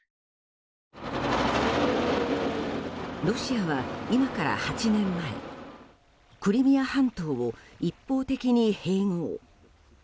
ロシアは今から８年前クリミア半島を一方的に併合。